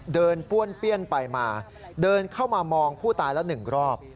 เดินป้วนเปี้ยนไปมาเดินเข้ามามองผู้ตายแล้วหนึ่งรอบ